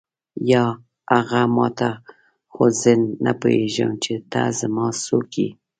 یا هغه ما ته خو زه نه پوهېږم چې ته زما څوک یې.